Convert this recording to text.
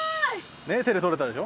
ねっ手でとれたでしょ？